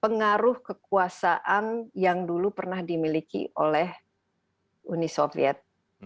pengaruh kekuasaan yang dulu pernah dimiliki oleh uni soviet